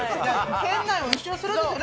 店内を１周するんですよね